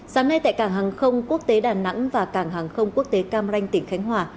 sáng nay tại cảng hàng không quốc tế đà nẵng và cảng hàng không quốc tế cam ranh tỉnh khánh hòa